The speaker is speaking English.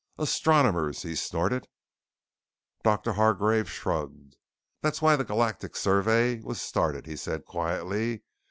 "Astronomers!" he snorted. Doctor Hargreave shrugged. "That's why the Galactic Survey was started," he said quietly.